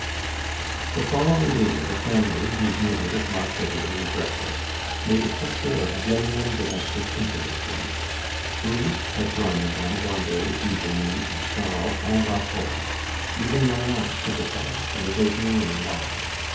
IX The following day the family, meeting at eight o'clock for the early breakfast, made a picture of genuine domestic intimacy. Grief had drawn Madame Grandet, Eugenie, and Charles en rapport; even Nanon sympathized, without knowing why.